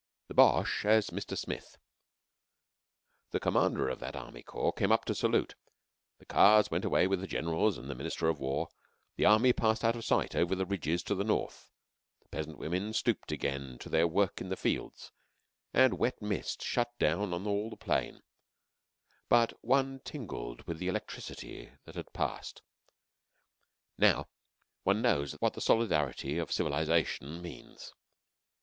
THE BOCHE AS MR. SMITH The Commander of that Army Corps came up to salute. The cars went away with the Generals and the Minister for War; the Army passed out of sight over the ridges to the north; the peasant women stooped again to their work in the fields, and wet mist shut down on all the plain; but one tingled with the electricity that had passed. Now one knows what the solidarity of civilization means.